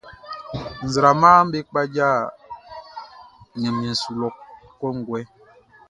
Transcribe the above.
Nzraamaʼm be kpaja ɲanmiɛn su lɔ kɔnguɛ.